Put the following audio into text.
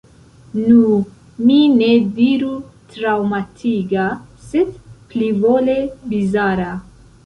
Nu, mi ne diru traŭmatiga, sed plivole bizara.